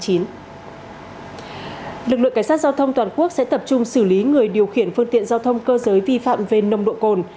lực lượng cảnh sát giao thông toàn quốc sẽ tập trung xử lý người điều khiển phương tiện giao thông cơ giới vi phạm về nồng độ cồn